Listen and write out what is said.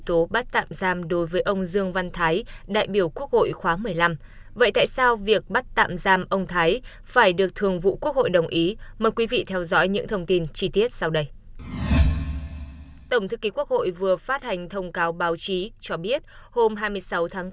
tổng thư ký quốc hội vừa phát hành thông cáo báo chí cho biết hôm hai mươi sáu tháng bốn